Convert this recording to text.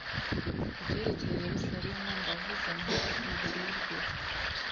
ku byerekeye yeruzalemu ndavuze nti «niturwe»,